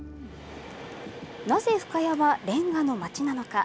なぜ深谷はれんがの町なのか。